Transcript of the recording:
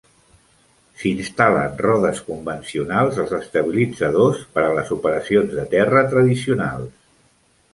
S'instal·len rodes convencionals als estabilitzadors per a les operacions de terra tradicionals.